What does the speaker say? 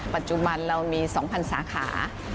ปัจจุบันเรามี๒๐๐สาขา